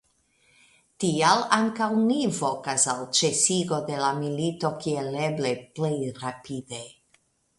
Tial ankaŭ ni vokas al ĉesigo de la milito kiel eble plej rapide.